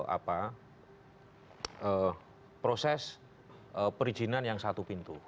apa proses perizinan yang satu pintu